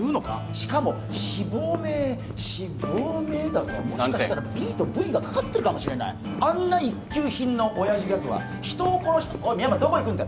しかも「脂肪めしぼめ」だぞ３点もしかしたらＢとＶがかかってるかもしれないあんな一級品のオヤジギャグは人を殺したおい深山どこ行くんだ？